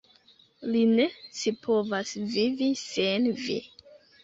Li ne scipovas vivi sen vi.